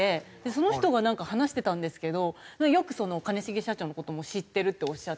その人がなんか話してたんですけどよく兼重社長の事も知ってるっておっしゃってて。